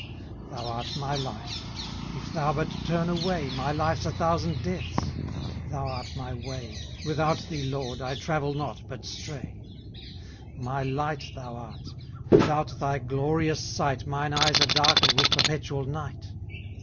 Thou art my life ; if thou but turn away, â¢ My life's a thousand deaths : thou art my way ; Without thee, J^ORD, I travel not, but stray. My light thou art ;' without thy glorious sight, My eyes are darkened with perpetual night.